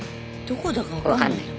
どこだか分かんない。